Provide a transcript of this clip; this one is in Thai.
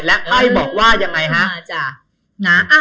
และไพ่บอกว่ายังไงฮะ